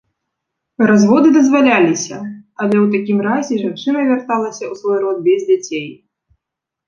Разводы дазваляліся, але ў такім разе жанчына вярталася ў свой род без дзяцей.